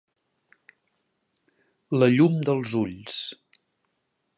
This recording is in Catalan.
La llum dels ulls.